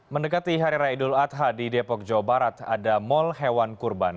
mendekati harirai dul adha di depok jawa barat ada mall hewan kurban